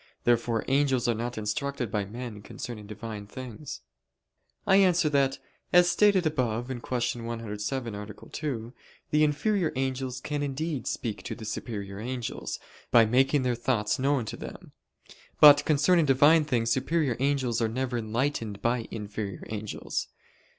Therefore angels are not instructed by men concerning Divine things. I answer that, As stated above (Q. 107, A. 2), the inferior angels can indeed speak to the superior angels, by making their thoughts known to them; but concerning Divine things superior angels are never enlightened by inferior angels.